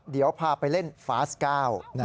เดี๋ยวพาไปเล่นฟาสเก้า